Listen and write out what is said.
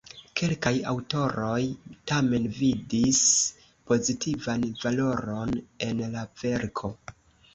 Kelkaj aŭtoroj tamen vidis pozitivan valoron en la verko.